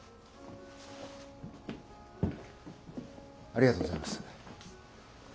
ありがとうございます。